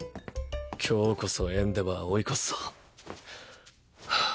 今日こそエンデヴァー追い越すぞハァー。